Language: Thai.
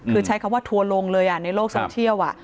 คือใช้คำว่าทัวร์ลงเลยในโลกโซเชียล